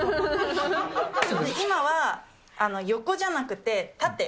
今は、横じゃなくて縦。